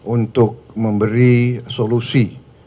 untuk memberi solusi